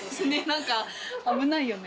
何か危ないよね。